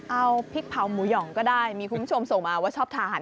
เอาพริกเผาหมูหย่องก็ได้มีคุณผู้ชมส่งมาว่าชอบทาน